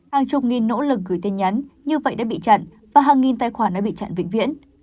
hàng chục nghìn nỗ lực gửi tin nhắn như vậy đã bị chặn và hàng nghìn tài khoản đã bị chặn vĩnh viễn